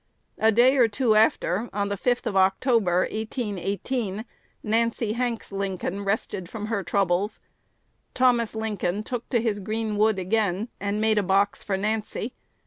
A day or two after, on the 5th of October, 1818, Nancy Hanks Lincoln rested from her troubles. Thomas Lincoln took to his green wood again, and made a box for Nancy.